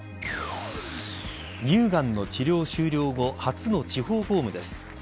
乳がんの治療終了後初の地方公務です。